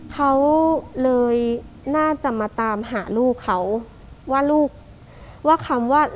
เขาเลยน่าจะมาตามหาลูกเขามีความว่า